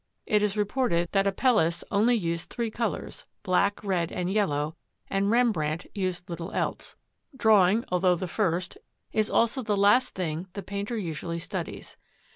It is reported that Apelles only used three colours, black, red, and yellow, and Rembrandt used little else. Drawing, although the first, is also the last, thing the painter usually studies.